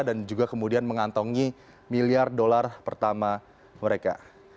dan juga kemudian mengantongi miliar dolar pertama mereka